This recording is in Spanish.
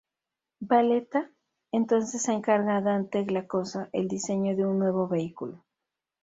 Valletta, entonces encarga a Dante Giacosa el diseño de un nuevo vehículo.